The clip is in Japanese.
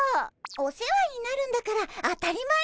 お世話になるんだから当たり前だよ。